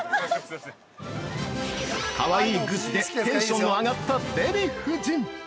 ◆可愛いグッズでテンションの上がったデヴィ夫人。